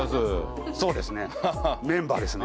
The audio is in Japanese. そうですねメンバーですね